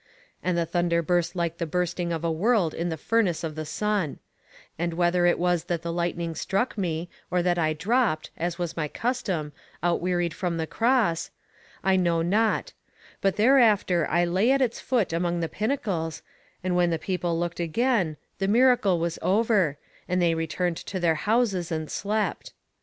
And the thunder burst like the bursting of a world in the furnace of the sun; and whether it was that the lightning struck me, or that I dropped, as was my custom, outwearied from the cross, I know not, but thereafter I lay at its foot among the pinnacles, and when the people looked again, the miracle was over, and they returned to their houses and slept.